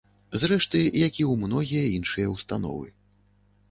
Зрэшты, як і ў многія іншыя ўстановы.